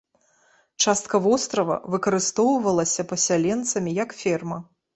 Частка вострава выкарыстоўвалася пасяленцамі як ферма.